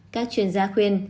các chuyên gia khuyên